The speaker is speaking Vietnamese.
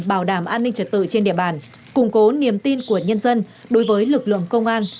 bảo đảm an ninh trật tự trên địa bàn củng cố niềm tin của nhân dân đối với lực lượng công an